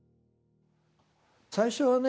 最初はね